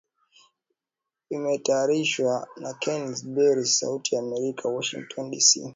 Imetayarishwa na Kennes Bwire, Sauti ya Amerika, Washington DC